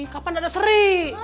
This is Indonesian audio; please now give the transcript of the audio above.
kapan ada sri